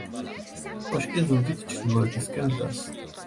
კოშკი ზურგით ჩრდილოეთისკენ დგას.